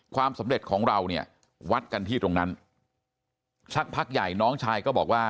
ความสำเร็จของเราเนี่ยวัดกันที่ตรงนั้นสักพักใหญ่น้องชายก็บอกว่า